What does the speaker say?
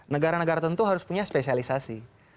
negara negara tentu harus punya spesialisasi